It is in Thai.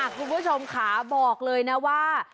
คุณผู้ชมค่ะบอกเลยนะว่า